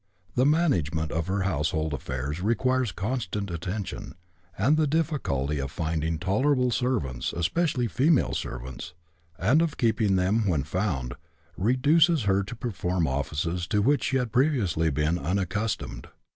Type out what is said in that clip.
The management of her household affairs requires constant attention, and the diflfi culty of finding tolerable servants, especially female servants, and of keeping them when found, reduces her to perform offices to which she had previously been unaccustomed.